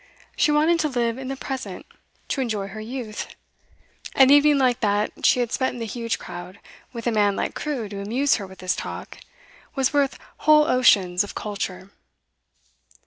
She wanted to live in the present, to enjoy her youth. An evening like that she had spent in the huge crowd, with a man like Crewe to amuse her with his talk, was worth whole oceans of 'culture.